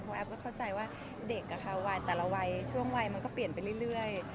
แอฟก็เข้าใจว่าเด็กวัยแต่ละวัยช่วงวัยมันก็เปลี่ยนไปเรื่อย